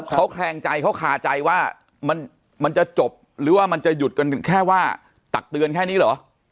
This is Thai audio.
เขาแคลงใจเขาคาใจว่ามันจะจบหรือว่ามันจะหยุดกันแค่ว่าตักเตือนแค่นี้เหรอ